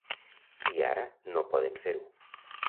I ara no poden fer-ho.